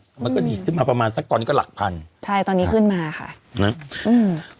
อืมมันก็หยิบขึ้นมาประมาณสักตอนก็หลักพันธุ์ใช่ตอนนี้ขึ้นมาค่ะอืม